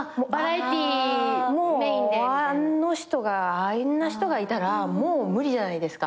あんな人がいたらもう無理じゃないですか。